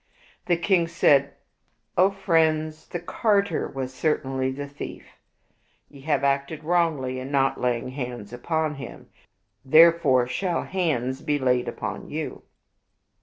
The king said, "O friends, the carter was certainly the thief. Ye have acted wrongly in not laying hands upon him. Therefore shall hands be laid upon you."